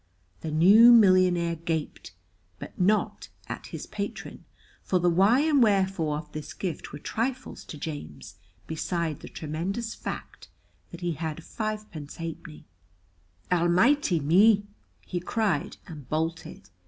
The new millionaire gaped, but not at his patron, for the why and wherefore of this gift were trifles to James beside the tremendous fact that he had fivepence halfpenny. "Almichty me!" he cried and bolted.